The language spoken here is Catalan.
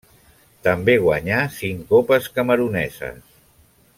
També guanyà cinc copes cameruneses.